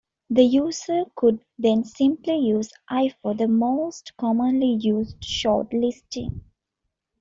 The user could then simply use l for the most commonly used short listing.